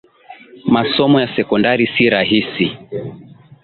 Masomo ya sekondari si rahisi